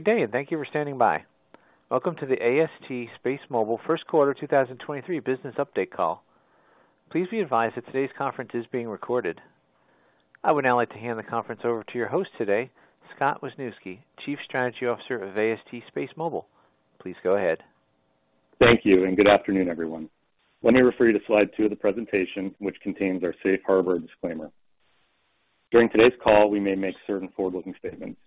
Good day, thank you for standing by. Welcome to the AST SpaceMobile first quarter 2023 business update call. Please be advised that today's conference is being recorded. I would now like to hand the conference over to your host today, Scott Wisniewski, Chief Strategy Officer of AST SpaceMobile. Please go ahead. Thank you, good afternoon, everyone. Let me refer you to slide two of the presentation which contains our safe harbor disclaimer. During today's call, we may make certain forward-looking statements.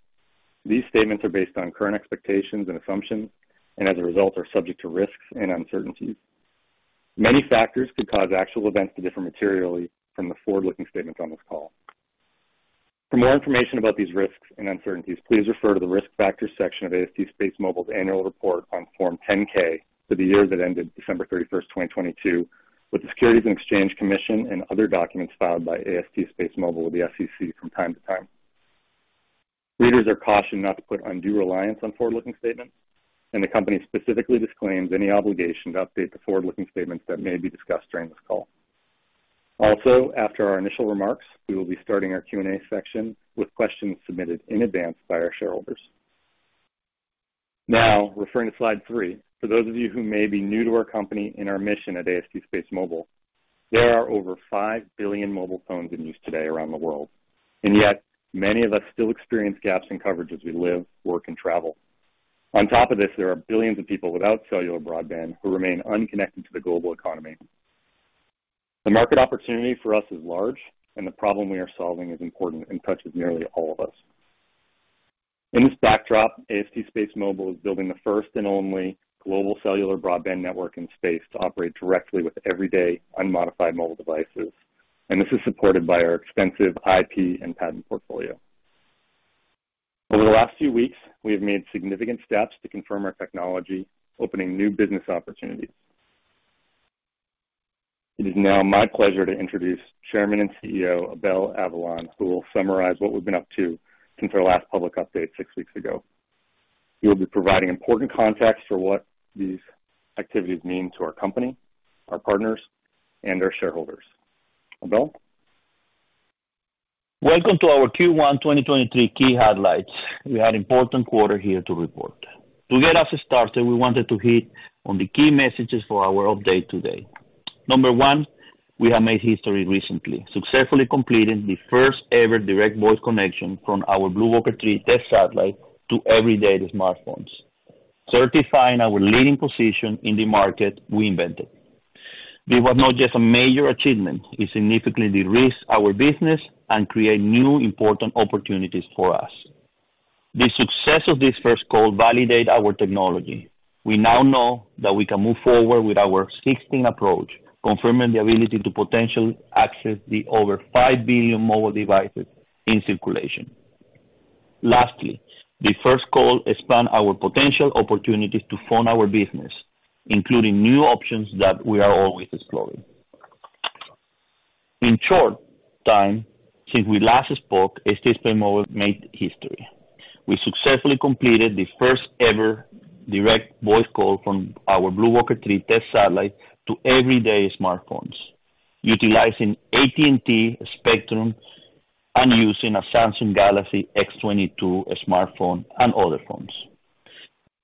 These statements are based on current expectations and assumptions and, as a result, are subject to risks and uncertainties. Many factors could cause actual events to differ materially from the forward-looking statements on this call. For more information about these risks and uncertainties, please refer to the Risk Factors section of AST SpaceMobile's annual report on Form 10-K for the year that ended December 31st, 2022 with the Securities and Exchange Commission and other documents filed by AST SpaceMobile with the SEC from time to time. Readers are cautioned not to put undue reliance on forward-looking statements. The company specifically disclaims any obligation to update the forward-looking statements that may be discussed during this call. Also, after our initial remarks, we will be starting our Q&A section with questions submitted in advance by our shareholders. Now referring to slide three. For those of you who may be new to our company and our mission at AST SpaceMobile, there are over 5 billion mobile phones in use today around the world, and yet many of us still experience gaps in coverage as we live, work, and travel. On top of this, there are billions of people without cellular broadband who remain unconnected to the global economy. The market opportunity for us is large, and the problem we are solving is important and touches nearly all of us. In this backdrop, AST SpaceMobile is building the first and only global cellular broadband network in space to operate directly with everyday unmodified mobile devices. This is supported by our extensive IP and patent portfolio. Over the last few weeks, we have made significant steps to confirm our technology, opening new business opportunities. It is now my pleasure to introduce Chairman and CEO Abel Avellan, who will summarize what we've been up to since our last public update six weeks ago. He will be providing important context for what these activities mean to our company, our partners, and our shareholders. Abel. Welcome to our Q1 2023 key highlights. We had important quarter here to report. To get us started, we wanted to hit on the key messages for our update today. Number one, we have made history recently, successfully completing the first-ever direct voice connection from our BlueWalker 3 test satellite to everyday smartphones, certifying our leading position in the market we invented. This was not just a major achievement, it significantly de-risks our business and create new important opportunities for us. The success of this first call validate our technology. We now know that we can move forward with our existing approach, confirming the ability to potentially access the over 5 billion mobile devices in circulation. The first call expand our potential opportunities to fund our business, including new options that we are always exploring. In short time since we last spoke, AST SpaceMobile made history. We successfully completed the first-ever direct voice call from our BlueWalker 3 test satellite to everyday smartphones, utilizing AT&T spectrum and using a Samsung Galaxy S22 smartphone and other phones.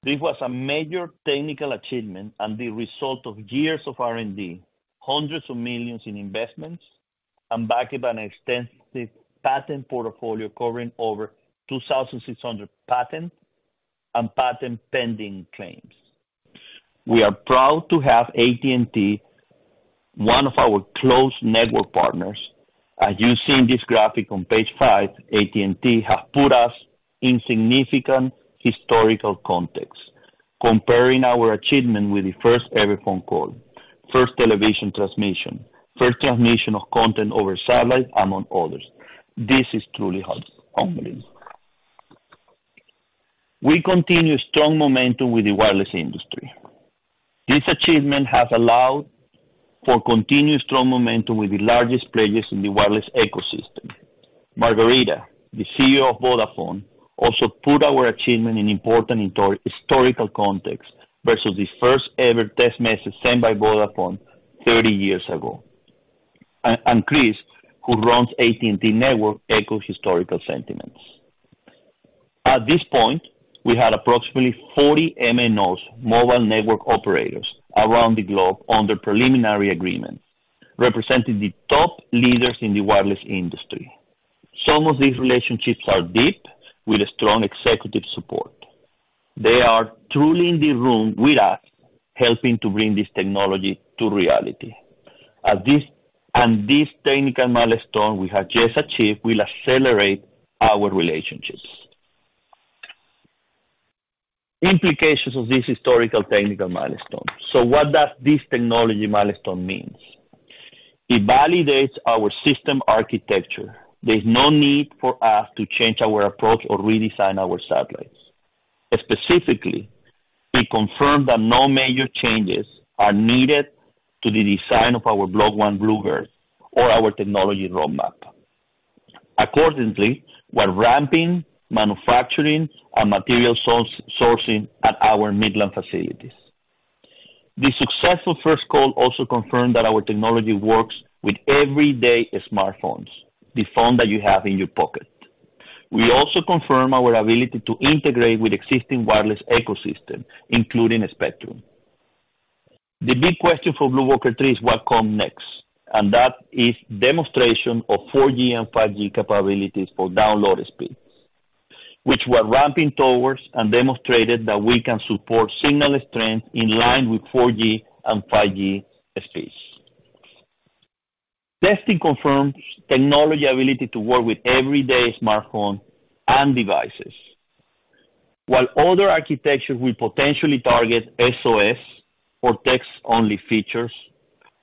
This was a major technical achievement and the result of years of R&D, hundreds of millions in investments and backed by an extensive patent portfolio covering over 2,600 patent and patent pending claims. We are proud to have AT&T, one of our close network partners. As you see in this graphic on page five, AT&T have put us in significant historical context, comparing our achievement with the first-ever phone call, first television transmission, first transmission of content over satellite, among others. This is truly unbelievable. We continue strong momentum with the wireless industry. This achievement has allowed for continued strong momentum with the largest players in the wireless ecosystem. Margherita, the CEO of Vodafone, also put our achievement in important historical context versus the first-ever text message sent by Vodafone 30 years ago. Chris, who runs AT&T network, echoes historical sentiments. At this point, we had approximately 40 MNOs, mobile network operators, around the globe under preliminary agreement, representing the top leaders in the wireless industry. Some of these relationships are deep with strong executive support. They are truly in the room with us, helping to bring this technology to reality. This technical milestone we have just achieved will accelerate our relationships. Implications of this historical technical milestone. What does this technology milestone means? It validates our system architecture. There's no need for us to change our approach or redesign our satellites. Specifically, we confirm that no major changes are needed to the design of our Block 1 BlueBird or our technology roadmap. Accordingly, we're ramping manufacturing and material sourcing at our Midland facilities. The successful first call also confirmed that our technology works with everyday smartphones, the phone that you have in your pocket. We also confirm our ability to integrate with existing wireless ecosystem, including Spectrum. The big question for BlueWalker 3 is what comes next, and that is demonstration of 4G and 5G capabilities for download speeds, which we're ramping towards and demonstrated that we can support signal strength in line with 4G and 5G speeds. Testing confirms technology ability to work with everyday smartphone and devices. While other architectures will potentially target SOS or text-only features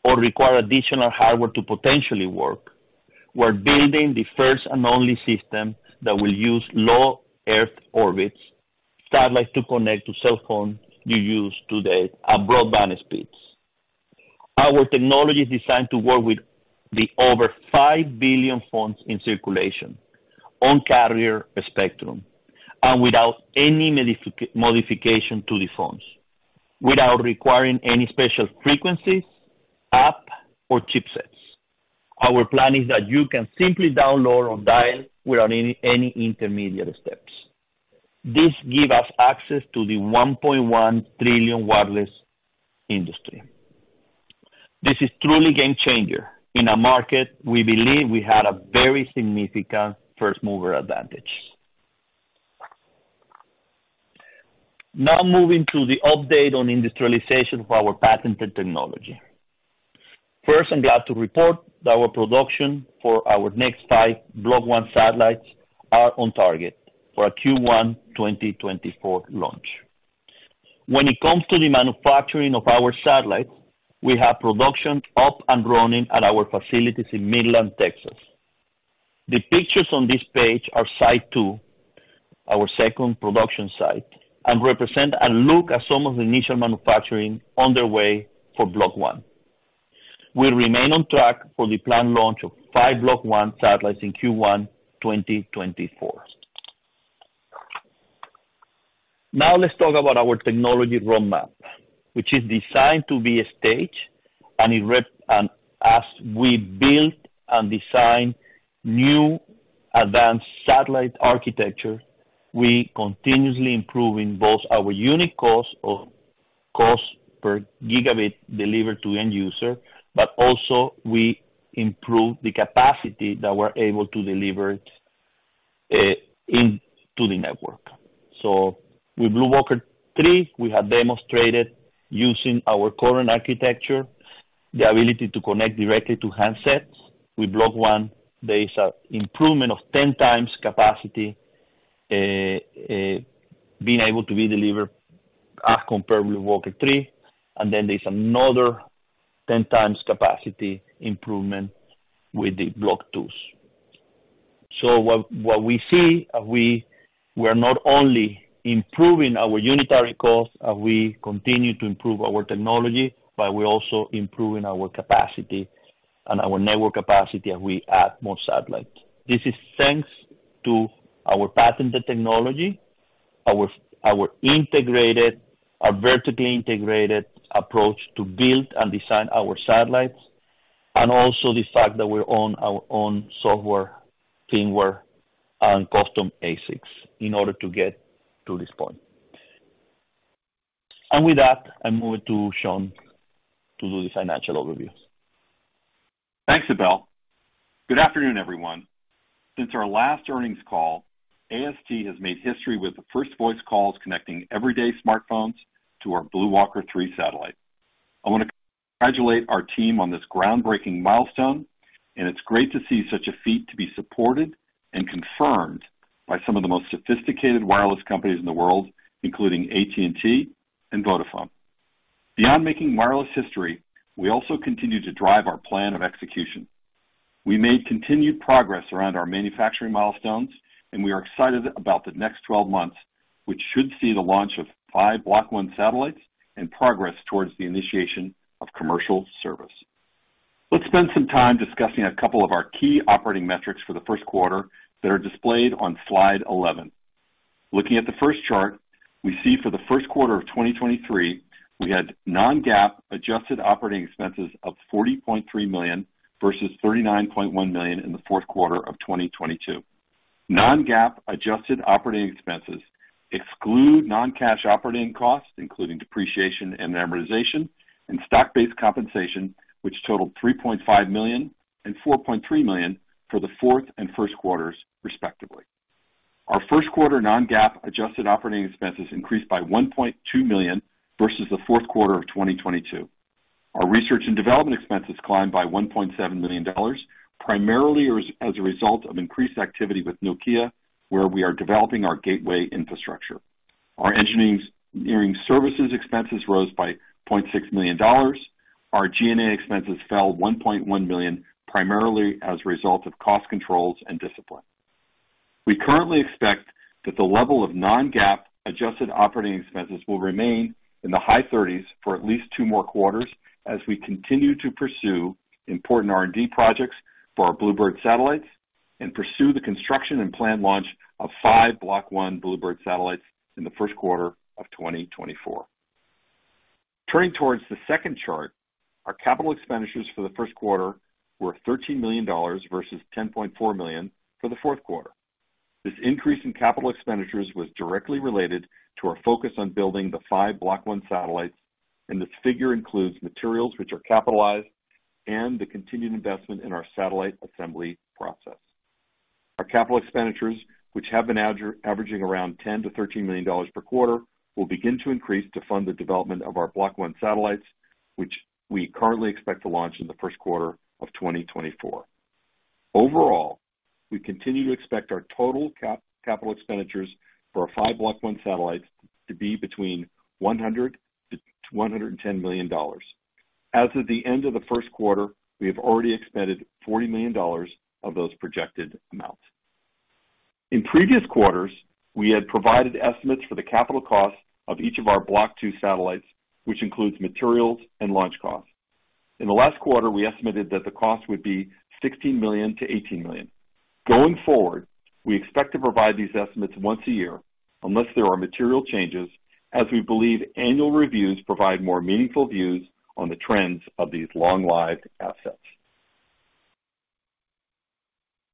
or require additional hardware to potentially work, we're building the first and only system that will use low Earth orbit satellites to connect to cell phones you use today at broadband speeds. Our technology is designed to work with the over 5 billion phones in circulation on carrier spectrum and without any modification to the phones, without requiring any special frequencies, app or chipsets. Our plan is that you can simply download or dial without any intermediate steps. This give us access to the $1.1 trillion wireless industry. This is truly game changer in a market we believe we had a very significant first mover advantage. Now moving to the update on industrialization of our patented technology. First, I'm glad to report that our production for our next five Block 1 satellites are on target for a Q1 2024 launch. When it comes to the manufacturing of our satellites, we have production up and running at our facilities in Midland, Texas. The pictures on this page are site two, our second production site, and represent a look at some of the initial manufacturing underway for Block 1. We remain on track for the planned launch of five Block 1 satellites in Q1 2024. Let's talk about our technology roadmap, which is designed to be a stage and as we build and design new advanced satellite architecture, we continuously improving both our unit cost of cost per gigabit delivered to end user, but also we improve the capacity that we're able to deliver in to the network. With BlueWalker 3, we have demonstrated using our current architecture the ability to connect directly to handsets. With Block 1, there is an improvement of 10x capacity being able to be delivered as compared with BlueWalker 3. Then there's another 10x capacity improvement with the Block 2s. What we see, we're not only improving our unitary cost as we continue to improve our technology, but we're also improving our capacity and our network capacity as we add more satellites. This is thanks to our patented technology, our vertically integrated approach to build and design our satellites, and also the fact that we own our own software, firmware, and custom ASICs in order to get to this point. With that, I move it to Sean to do the financial overview. Thanks, Abel. Good afternoon, everyone. Since our last earnings call, AST has made history with the first voice calls connecting everyday smartphones to our BlueWalker 3 satellite. I want to congratulate our team on this groundbreaking milestone, and it's great to see such a feat to be supported and confirmed by some of the most sophisticated wireless companies in the world, including AT&T and Vodafone. Beyond making wireless history, we also continue to drive our plan of execution. We made continued progress around our manufacturing milestones, and we are excited about the next 12 months, which should see the launch of five Block 1 satellites and progress towards the initiation of commercial service. Let's spend some time discussing a couple of our key operating metrics for the first quarter that are displayed on slide 11. Looking at the first chart, we see for the first quarter of 2023, we had non-GAAP adjusted operating expenses of $40.3 million versus $39.1 million in the fourth quarter of 2022. Non-GAAP adjusted operating expenses exclude non-cash operating costs, including depreciation and amortization and stock-based compensation, which totaled $3.5 million and $4.3 million for the fourth and first quarters, respectively. Our first quarter non-GAAP adjusted operating expenses increased by $1.2 million versus the fourth quarter of 2022. Our research and development expenses climbed by $1.7 million, primarily as a result of increased activity with Nokia, where we are developing our gateway infrastructure. Our engineering services expenses rose by $0.6 million. Our G&A expenses fell $1.1 million, primarily as a result of cost controls and discipline. We currently expect that the level of non-GAAP adjusted operating expenses will remain in the high 30s for at least two more quarters as we continue to pursue important R&D projects for our BlueBird satellites. Pursue the construction and planned launch of five Block 1 BlueBird satellites in the first quarter of 2024. Turning towards the second chart, our capital expenditures for the first quarter were $13 million versus $10.4 million for the fourth quarter. This increase in capital expenditures was directly related to our focus on building the five Block 1 satellites, and this figure includes materials which are capitalized and the continued investment in our satellite assembly process. Our capital expenditures, which have been averaging around $10 million-$13 million per quarter, will begin to increase to fund the development of our Block 1 satellites, which we currently expect to launch in the first quarter of 2024. Overall, we continue to expect our total capital expenditures for our five Block 1 satellites to be between $100 million-$110 million. As of the end of the first quarter, we have already expended $40 million of those projected amounts. In previous quarters, we had provided estimates for the capital cost of each of our Block 2 satellites, which includes materials and launch costs. In the last quarter, we estimated that the cost would be $16 million-$18 million. Going forward, we expect to provide these estimates once a year unless there are material changes as we believe annual reviews provide more meaningful views on the trends of these long-lived assets.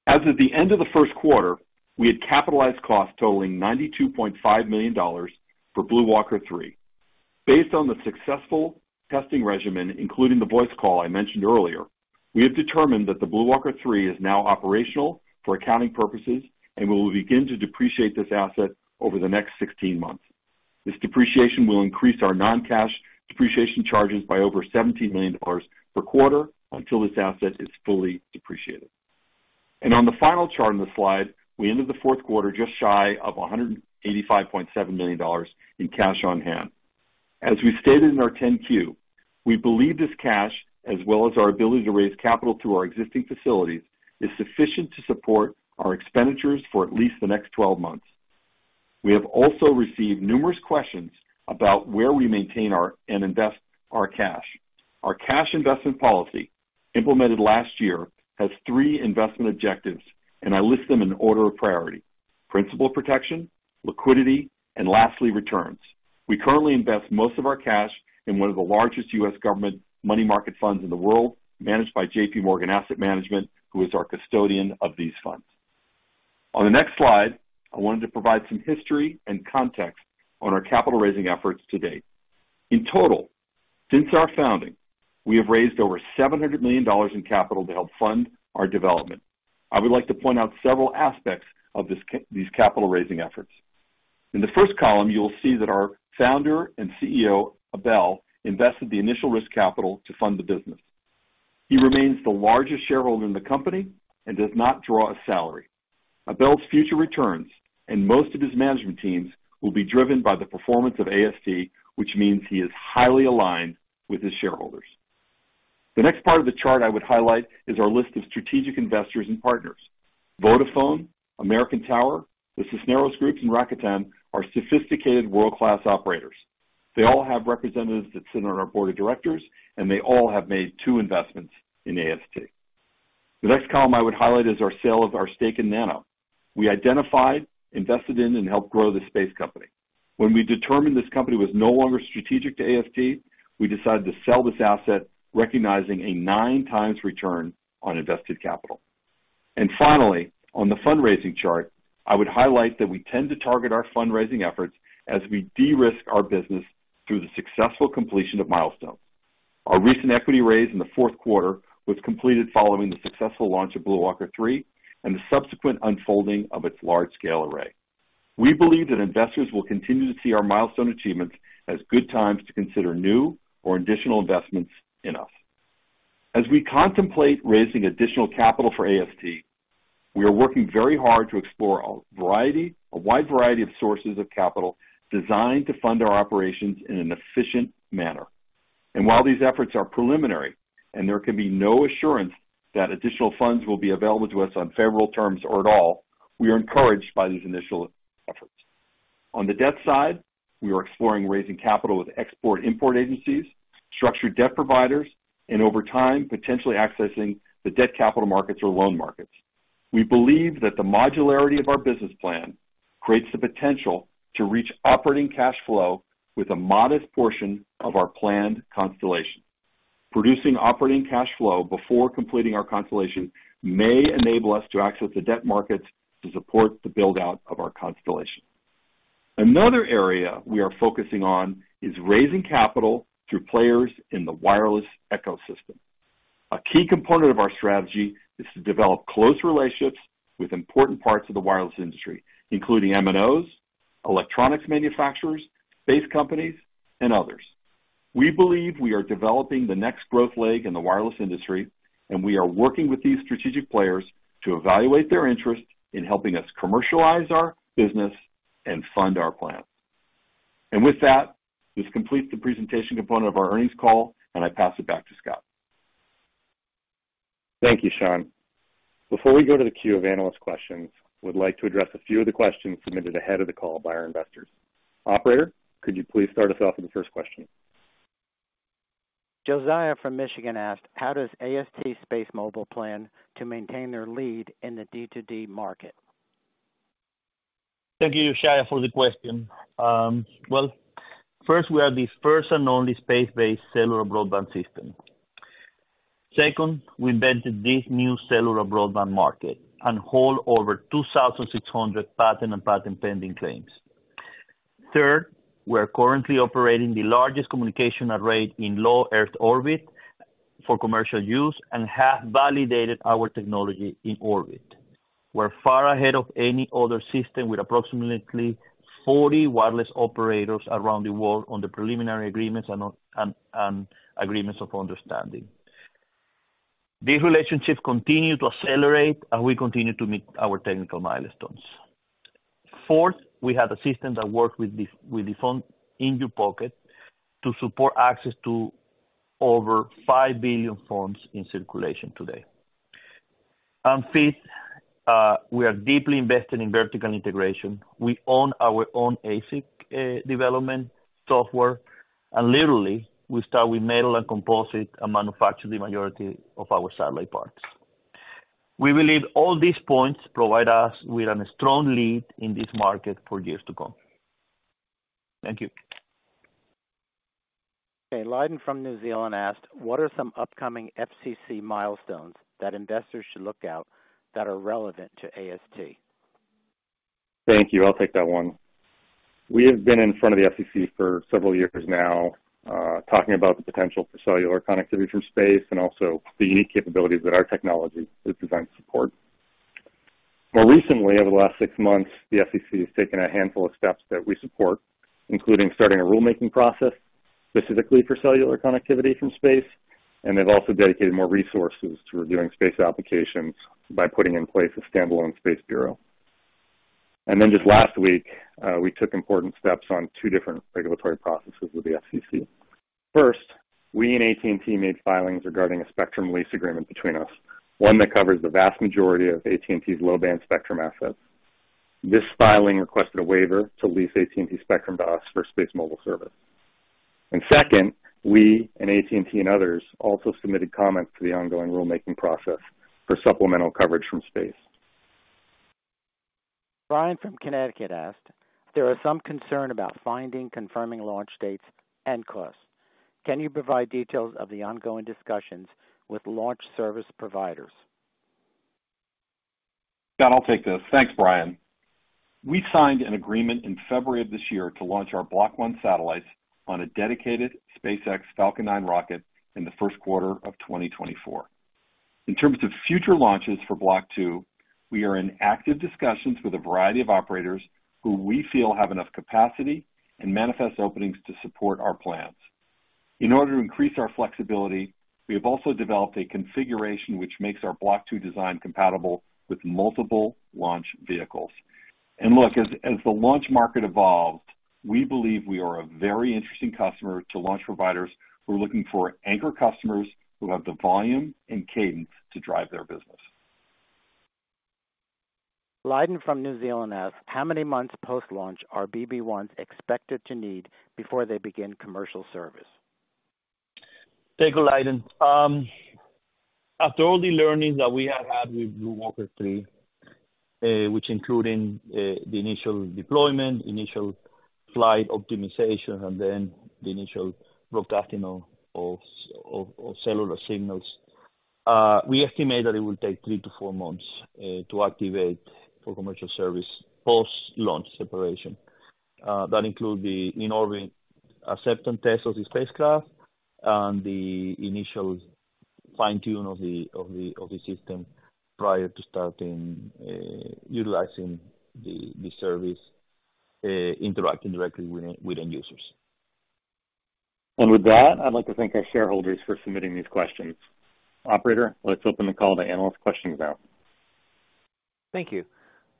As of the end of the first quarter, we had capitalized costs totaling $92.5 million for BlueWalker 3. Based on the successful testing regimen, including the voice call I mentioned earlier, we have determined that the BlueWalker 3 is now operational for accounting purposes and we will begin to depreciate this asset over the next 16 months. This depreciation will increase our non-cash depreciation charges by over $17 million per quarter until this asset is fully depreciated. On the final chart on the slide, we ended the fourth quarter just shy of $185.7 million in cash on hand. As we stated in our 10-Q, we believe this cash, as well as our ability to raise capital through our existing facilities, is sufficient to support our expenditures for at least the next 12 months. We have also received numerous questions about where we maintain and invest our cash. Our cash investment policy implemented last year has three investment objectives, and I list them in order of priority: principal protection, liquidity, and lastly, returns. We currently invest most of our cash in one of the largest U.S. government money market funds in the world, managed by JPMorgan Asset Management, who is our custodian of these funds. On the next slide, I wanted to provide some history and context on our capital raising efforts to date. In total, since our founding, we have raised over $700 million in capital to help fund our development. I would like to point out several aspects of these capital raising efforts. In the first column, you will see that our founder and CEO, Abel, invested the initial risk capital to fund the business. He remains the largest shareholder in the company and does not draw a salary. Abel's future returns, and most of his management teams, will be driven by the performance of AST, which means he is highly aligned with his shareholders. The next part of the chart I would highlight is our list of strategic investors and partners. Vodafone, American Tower, the Cisneros Group and Rakuten are sophisticated world-class operators. They all have representatives that sit on our board of directors, and they all have made two investments in AST. The next column I would highlight is our sale of our stake in Nano. We identified, invested in and helped grow the space company. When we determined this company was no longer strategic to AST, we decided to sell this asset, recognizing a 9x return on invested capital. Finally, on the fundraising chart, I would highlight that we tend to target our fundraising efforts as we de-risk our business through the successful completion of milestones. Our recent equity raise in the fourth quarter was completed following the successful launch of BlueWalker 3 and the subsequent unfolding of its large scale array. We believe that investors will continue to see our milestone achievements as good times to consider new or additional investments in us. As we contemplate raising additional capital for AST, we are working very hard to explore a wide variety of sources of capital designed to fund our operations in an efficient manner. While these efforts are preliminary and there can be no assurance that additional funds will be available to us on favorable terms or at all, we are encouraged by these initial efforts. On the debt side, we are exploring raising capital with export-import agencies, structured debt providers, and over time, potentially accessing the debt capital markets or loan markets. We believe that the modularity of our business plan creates the potential to reach operating cash flow with a modest portion of our planned constellation. Producing operating cash flow before completing our constellation may enable us to access the debt markets to support the build-out of our constellation. Another area we are focusing on is raising capital through players in the wireless ecosystem. A key component of our strategy is to develop close relationships with important parts of the wireless industry, including MNOs, electronics manufacturers, space companies and others. We believe we are developing the next growth leg in the wireless industry. We are working with these strategic players to evaluate their interest in helping us commercialize our business and fund our plan. With that, this completes the presentation component of our earnings call, and I pass it back to Scott. Thank you, Sean. Before we go to the queue of analyst questions, I would like to address a few of the questions submitted ahead of the call by our investors. Operator, could you please start us off with the first question? Josiah from Michigan asked, "How does AST SpaceMobile plan to maintain their lead in the D2D market? Thank you, Josiah, for the question. Well, first, we are the first and only space-based cellular broadband system. Second, we invented this new cellular broadband market and hold over 2,600 patent and patent pending claims. Third, we're currently operating the largest communication array in low Earth orbit for commercial use and have validated our technology in orbit. We're far ahead of any other system with approximately 40 wireless operators around the world on the preliminary agreements and agreements of understanding. These relationships continue to accelerate, and we continue to meet our technical milestones. Fourth, we have a system that works with the phone in your pocket to support access to over 5 billion phones in circulation today. Fifth, we are deeply invested in vertical integration. We own our own ASIC, development software, and literally we start with metal and composite and manufacture the majority of our satellite parts. We believe all these points provide us with a strong lead in this market for years to come. Thank you. Okay. Leiden from New Zealand asked, "What are some upcoming FCC milestones that investors should look out that are relevant to AST? Thank you. I'll take that one. We have been in front of the FCC for several years now, talking about the potential for cellular connectivity from space and also the unique capabilities that our technology is designed to support. More recently, over the last 6 months, the FCC has taken a handful of steps that we support, including starting a rulemaking process specifically for cellular connectivity from space, and they've also dedicated more resources to reviewing space applications by putting in place a standalone Space Bureau. Just last week, we took important steps on two different regulatory processes with the FCC. First, we and AT&T made filings regarding a spectrum lease agreement between us, one that covers the vast majority of AT&T's low-band spectrum assets. This filing requested a waiver to lease AT&T spectrum to us for SpaceMobile service. Second, we and AT&T and others also submitted comments to the ongoing rulemaking process for Supplemental Coverage from Space. Brian from Connecticut asked, "There is some concern about finding, confirming launch dates and costs. Can you provide details of the ongoing discussions with launch service providers? Don, I'll take this. Thanks, Brian. We signed an agreement in February of this year to launch our Block 1 satellites on a dedicated SpaceX Falcon 9 rocket in the first quarter of 2024. In terms of future launches for Block 2, we are in active discussions with a variety of operators who we feel have enough capacity and manifest openings to support our plans. In order to increase our flexibility, we have also developed a configuration which makes our Block 2 design compatible with multiple launch vehicles. Look, as the launch market evolves, we believe we are a very interesting customer to launch providers who are looking for anchor customers who have the volume and cadence to drive their business. Leiden from New Zealand asks, "How many months post-launch are BlueBird expected to need before they begin commercial service? Thank you, Leiden. After all the learnings that we have had with BlueWalker 3, which including the initial deployment, initial flight optimization, and then the initial broadcasting of cellular signals, we estimate that it will take three to four months to activate for commercial service post-launch separation. That includes the in-orbit acceptance test of the spacecraft and the initial fine-tune of the system prior to starting utilizing the service interacting directly with end users. With that, I'd like to thank our shareholders for submitting these questions. Operator, let's open the call to analyst questioning now. Thank you.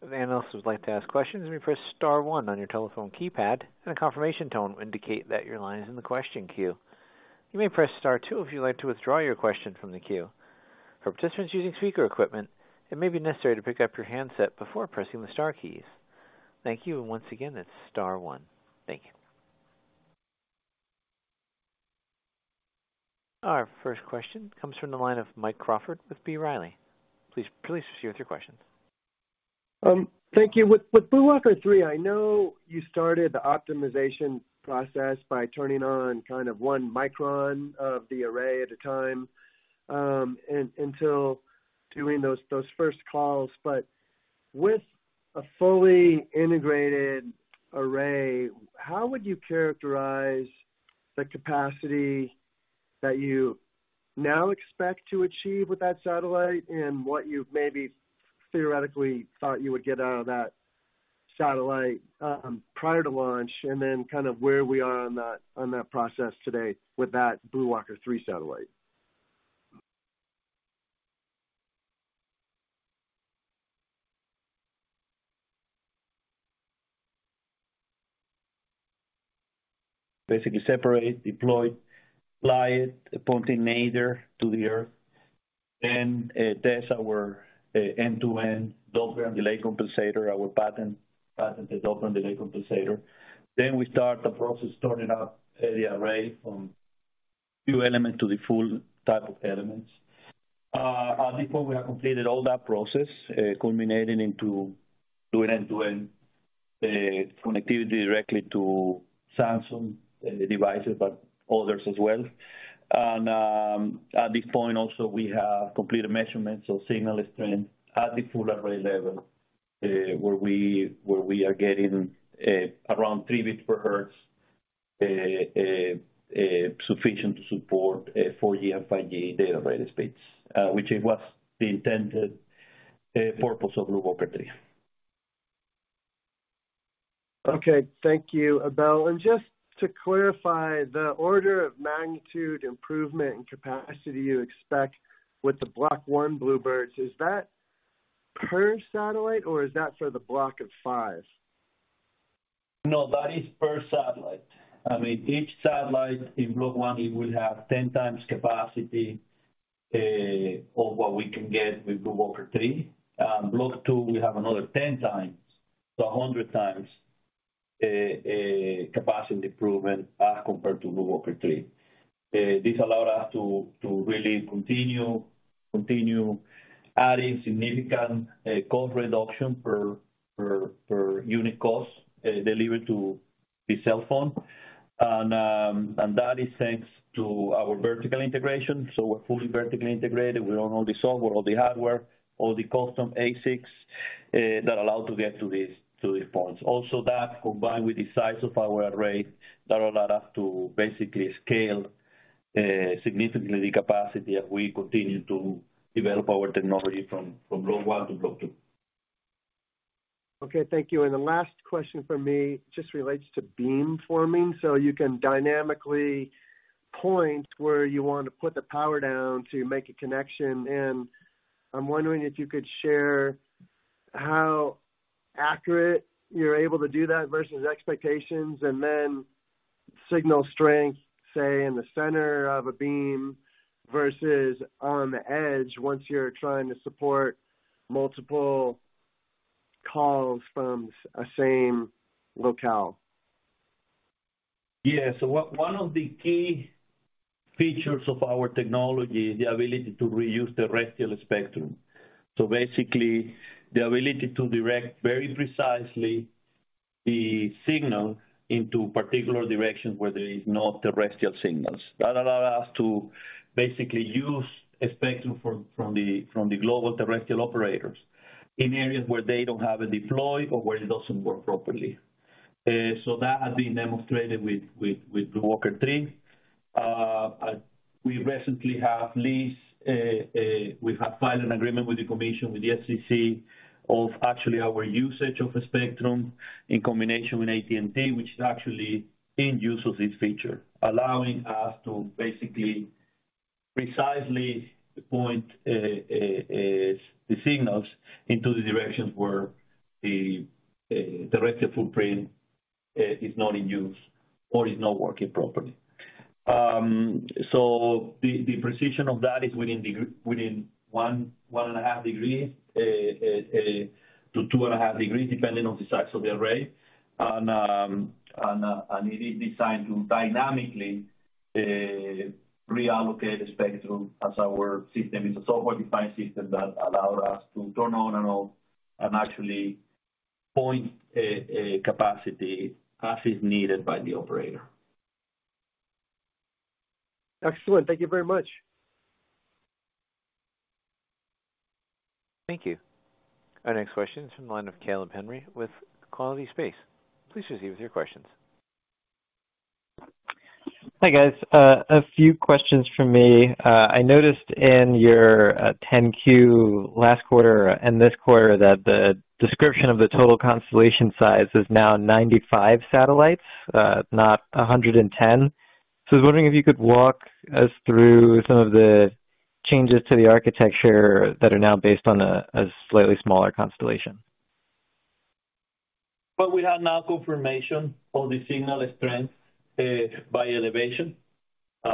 If analysts would like to ask questions, you may press star one on your telephone keypad, and a confirmation tone will indicate that your line is in the question queue. You may press star two if you'd like to withdraw your question from the queue. For participants using speaker equipment, it may be necessary to pick up your handset before pressing the star keys. Thank you. Once again, that's star one. Thank you. Our first question comes from the line of Mike Crawford with B. Riley. Please proceed with your question. Thank you. With BlueWalker 3, I know you started the optimization process by turning on kind of 1 micron of the array at a time, until doing those first calls. With a fully integrated array, how would you characterize the capacity that you now expect to achieve with that satellite and what you maybe theoretically thought you would get out of that satellite prior to launch? Kind of where we are on that, on that process today with that BlueWalker 3 satellite. Basically separate, deploy, fly it, pointing nadir to the Earth. test our end-to-end Doppler delay compensator, our patented Doppler delay compensator. We start the process starting up the array from few element to the full type of elements. At this point, we have completed all that process, culminating into doing end-to-end connectivity directly to Samsung and the devices, but others as well. At this point also, we have completed measurements of signal strength at the full array level, where we are getting around 3 bits per hertz, sufficient to support 4G and 5G data rate speeds, which is what's the intended purpose of BlueWalker 3. Okay. Thank you, Abel. Just to clarify, the order of magnitude improvement and capacity you expect with the Block 1 BlueBirds, is that per satellite or is that for the block of five? No, that is per satellite. I mean, each satellite in Block 1, it will have 10x capacity of what we can get with BlueWalker 3. Block 2, we have another 10x to 100x capacity improvement as compared to BlueWalker 3. This allowed us to really continue adding significant cost reduction per unit cost delivered to the cell phone. That is thanks to our vertical integration. We're fully vertically integrated. We own all the software, all the hardware, all the custom ASICs that allow to get to this point. That combined with the size of our array, that allowed us to basically scale significantly the capacity as we continue to develop our technology from Block 1 to Block 2. Okay, thank you. The last question from me just relates to beamforming. You can dynamically point where you want to put the power down to make a connection. I'm wondering if you could share how accurate you're able to do that versus expectations, and then signal strength, say in the center of a beam versus on the edge once you're trying to support multiple calls from a same locale. Yeah. One of the key features of our technology is the ability to reuse terrestrial spectrum. Basically, the ability to direct very precisely the signal into particular directions where there is no terrestrial signals. That allow us to basically use a spectrum from the global terrestrial operators in areas where they don't have a deploy or where it doesn't work properly. That has been demonstrated with BlueWalker 3. We recently have leased, we have filed an agreement with the commission, with the FCC of actually our usage of a spectrum in combination with AT&T, which is actually in use of this feature, allowing us to basically precisely point the signals into the directions where the terrestrial footprint is not in use or is not working properly. The precision of that is within 1 1/2 degree to 2 1/2 degree, depending on the size of the array. It is designed to dynamically reallocate the spectrum as our system is a software-defined system that allowed us to turn on and off and actually point a capacity as is needed by the operator. Excellent. Thank you very much. Thank you. Our next question is from the line of Caleb Henry with Quilty Space. Please proceed with your questions. Hi, guys. A few questions from me. I noticed in your Form 10-Q last quarter and this quarter that the description of the total constellation size is now 95 satellites, not 110. I was wondering if you could walk us through some of the changes to the architecture that are now based on a slightly smaller constellation. We have now confirmation of the signal strength by elevation. We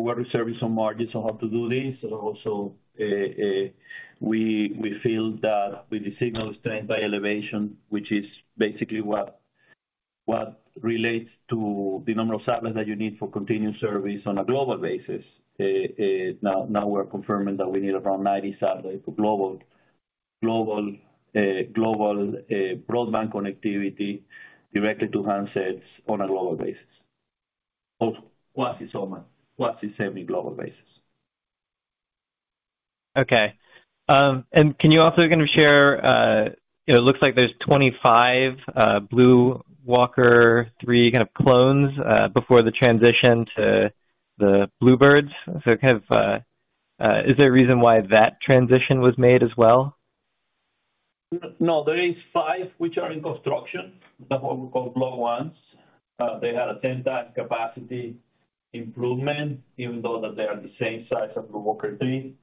were reserving some margins on how to do this. We feel that with the signal strength by elevation, which is basically what relates to the number of satellites that you need for continued service on a global basis. Now we're confirming that we need around 90 satellites for global broadband connectivity directly to handsets on a global basis. Quasi almost, quasi semi-global basis. Okay. Can you also kind of share, you know, it looks like there's 25 BlueWalker 3 kind of clones before the transition to the BlueBirds. Kind of, is there a reason why that transition was made as well? No. There is 5 which are in construction. That what we call Block 1s. They had a 10x capacity improvement even though that they are the same size as BlueWalker 3.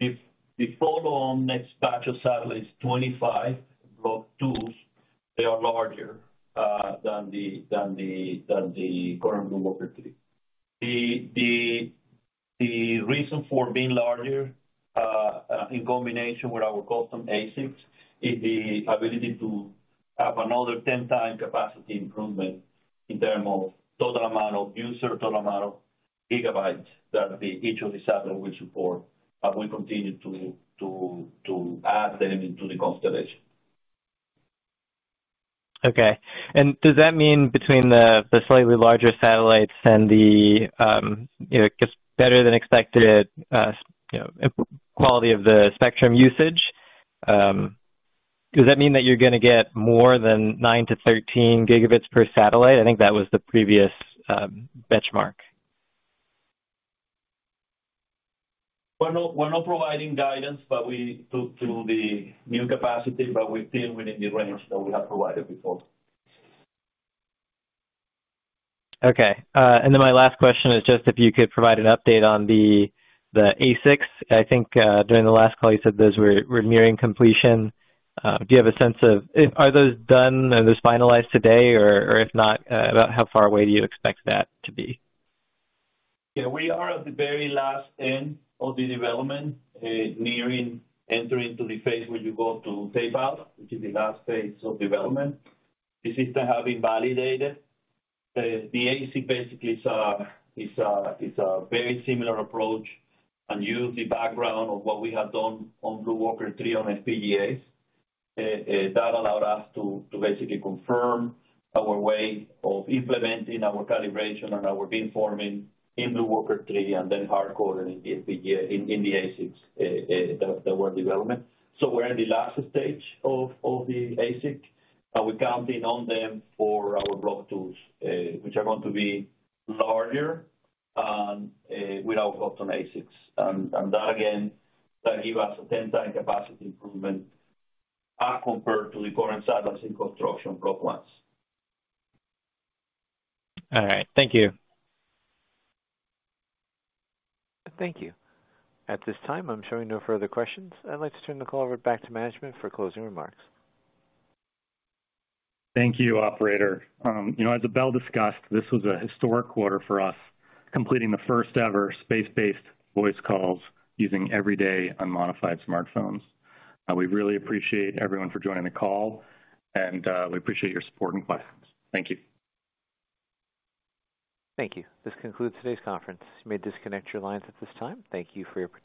If the follow on next batch of satellites, 25 Block 2s. They are larger than the current BlueWalker 3. The reason for being larger, in combination with our custom ASICs is the ability to have another 10-time capacity improvement in term of total amount of user, total amount of gigabytes that each of the satellite will support as we continue to add them into the constellation. Okay. Does that mean between the slightly larger satellites and the, you know, just better than expected, you know, quality of the spectrum usage, does that mean that you're gonna get more than 9-13 Gb per satellite? I think that was the previous benchmark. We're not providing guidance, but we took to the new capacity, but within the range that we have provided before. Okay. My last question is just if you could provide an update on the ASICs. I think, during the last call, you said those were nearing completion. Do you have a sense of, are those done? Are those finalized today? Or if not, about how far away do you expect that to be? Yeah. We are at the very last end of the development, nearing entering to the phase where you go to tape-out, which is the last phase of development. The system have been validated. The ASIC basically is a very similar approach and use the background of what we have done on BlueWalker 3 on FPGAs. That allowed us to basically confirm our way of implementing our calibration and our beamforming in BlueWalker 3 and then hardcore it in the ASICs that were development. We're in the last stage of the ASIC, and we're counting on them for our Block 2s, which are going to be larger, without custom ASICs. That again, give us a 10-time capacity improvement compared to the current satellites in construction, Block 1. All right. Thank you. Thank you. At this time, I'm showing no further questions. I'd like to turn the call over back to management for closing remarks. Thank you, operator. You know, as Abel discussed, this was a historic quarter for us, completing the first ever space-based voice calls using everyday unmodified smartphones. We really appreciate everyone for joining the call, and we appreciate your support and questions. Thank you. Thank you. This concludes today's conference. You may disconnect your lines at this time. Thank you for your participation.